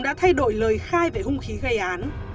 đã thay đổi lời khai về hung khí gây án